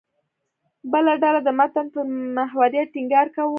بله ډله د متن پر محوریت ټینګار کاوه.